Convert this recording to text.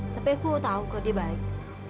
tapi aku tahu kok dia baik